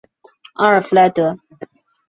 阿尔弗莱德？